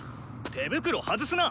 手袋外すな！